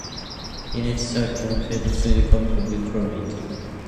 Lin later served on the Central Standing Committee of the Kuomintang.